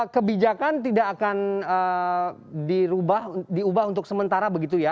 kebijakan tidak akan diubah untuk sementara begitu ya